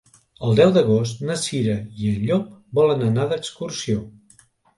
El deu d'agost na Cira i en Llop volen anar d'excursió.